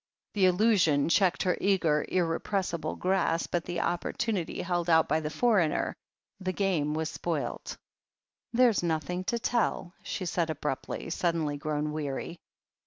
The illusion checked her eager, irrepressible grasp at the opportunity held out by the foreigner. The game was spoilt. "There's nothing to tell," she said abruptly, sud denly grown weary.